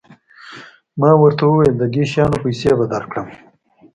ما ورته وویل د دې شیانو پیسې به درکړم.